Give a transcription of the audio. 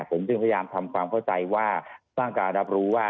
ผมจึงพยายามทำความเข้าใจว่าสร้างการรับรู้ว่า